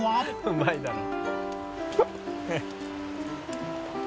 「うまいだろ」